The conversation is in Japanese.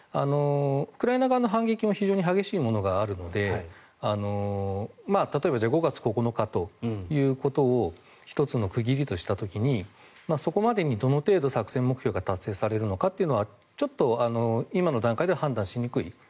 ウクライナ側の反撃も非常に激しいものがあるので例えば、５月９日ということを１つの区切りとした時にそこまでにどの程度、作戦目標が達成されるのかというのはちょっと今の段階では判断しにくい。